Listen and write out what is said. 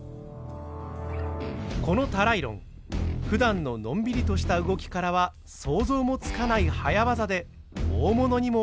このタライロンふだんののんびりとした動きからは想像もつかない早業で大物にも襲いかかるといいます。